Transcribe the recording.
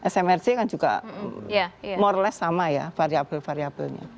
smrc kan juga more or less sama ya variabel variabelnya